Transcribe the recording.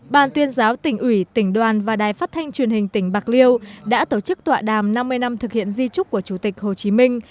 ban tuyên giáo tỉnh ủy tỉnh đoàn và đài phát thanh truyền hình tỉnh bạc liêu đã tổ chức tọa đàm năm mươi năm thực hiện di trúc của chủ tịch hồ chí minh